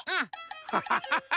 ハハハハ。